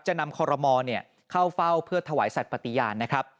นำคอรมอลเข้าเฝ้าเพื่อถวายสัตว์ปฏิญาณนะครับ